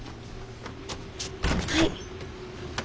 はい。